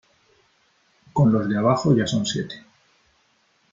con los de abajo ya son siete .